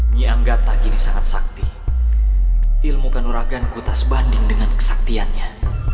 nyai anggap tah gini sangat sakti ilmukan uragan kutas banding dengan kesaktiannya